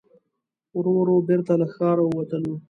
ورو ورو بېرته له ښاره ووتلو.